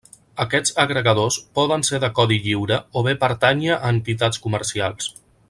Aquests agregadors poden ser de codi lliure o bé pertànyer a entitats comercials.